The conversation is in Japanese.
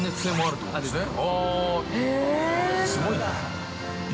◆すごいね。